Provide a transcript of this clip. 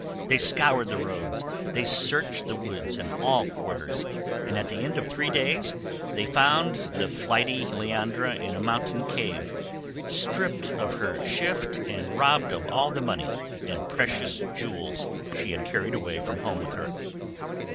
They scoured the roads, they searched the woods and all quarters, and at the end of three days they found the flighty Leandra in a mountain cave, stript to her shift, and robbed of all the money and precious jewels she had carried away from home with her.